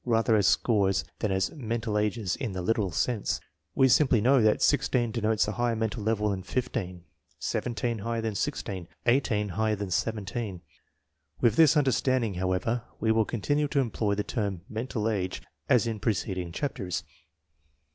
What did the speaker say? rather as scores than as mental ages in the literaf sense. We simply know that 16 denotes a higher mental level than 15, 17 higher than 16, 18 higher than 17. With this understanding, however, we will continue to employ the term mental age as in preceding chapters.